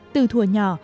từ thùa nhỏ